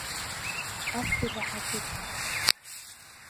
Әптеләхәте бына...